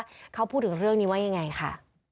เขาพูดถึงเรื่องนี้ว่ายังไงค่ะ